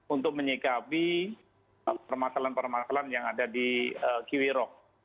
untuk menyikapi permasalahan permasalahan yang ada di kiwirok